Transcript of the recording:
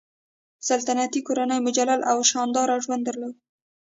سلطنتي کورنۍ مجلل او شانداره ژوند درلود.